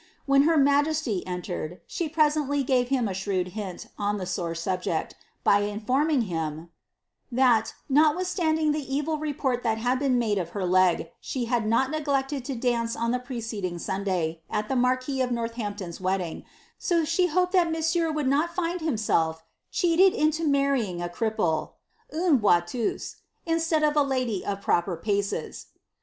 When her majesty entered, she presently gave htm a shrewd hint on the sore subject, by informing him, ^ that, not withstanding the evil report that had been made of her leg, she had not neglected to dance on the preceding Sunday, at the marquis of North ampton's wedding, so she hoped that monsieur would not iind himself cheated into marrying a cripple (im hoUeuse)^ instead of a lady of proper paces.''